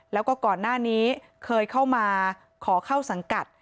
แล้วก็ก่อนหน้านี้เคยเข้ามาขอเข้าสังกัด